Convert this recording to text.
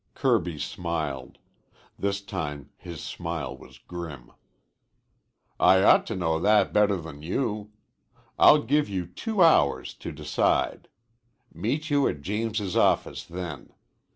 Kirby smiled. This time his smile was grim. "I ought to know that better than you. I'll give you two hours to decide. Meet you at James's office then.